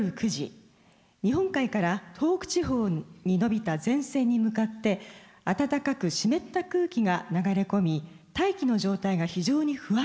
日本海から東北地方にのびた前線に向かって暖かく湿った空気が流れ込み大気の状態が非常に不安定でした。